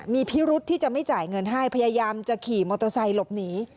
มีพิรุธที่จะไม่จ่ายเงินให้พยายามจะขี่มอเตอร์ไซค์หลบหนี